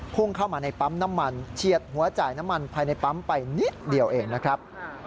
พุ่งเข้ามาในปั๊มน้ำมันเฉียดหัวจ่ายน้ำมันภายในปั๊มไปนิดเดียวเองนะครับ